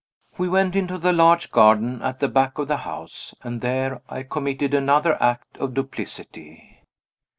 We went into the large garden at the back of the house, and there I committed another act of duplicity.